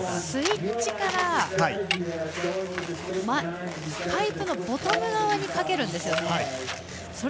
スイッチからパイプのボトム側にかけるんですよね。